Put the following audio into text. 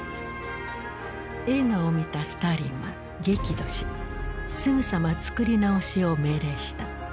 映画を見たスターリンは激怒しすぐさま作り直しを命令した。